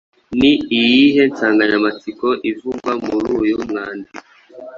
Ni iyihe nsanganyamatsiko ivugwa muri uyu mwandiko?